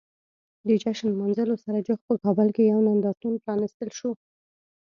د جشن لمانځلو سره جوخت په کابل کې یو نندارتون پرانیستل شو.